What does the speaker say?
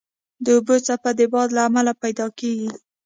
د اوبو څپه د باد له امله پیدا کېږي.